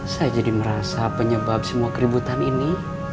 saya jadi merasa penyebab semua keributan ini